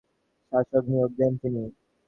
তিনি প্রত্যেক অঞ্চলে সামরিক শাসক নিয়োগ দেন।